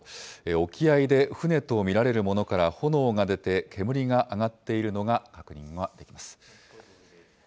沖合で船と見られるものから炎が出て、煙が上がっているのが確認はできます。